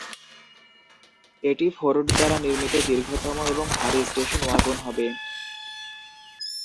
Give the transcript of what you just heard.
এটি ফোর্ড দ্বারা নির্মিত দীর্ঘতম এবং ভারী স্টেশন ওয়াগন হবে।